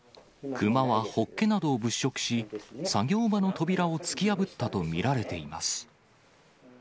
クマはホッケなどを物色し、作業場の扉を突き破ったと見られています。